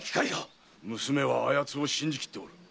娘はあやつを信じきっておる。